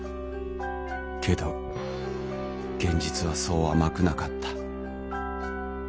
けど現実はそう甘くなかった。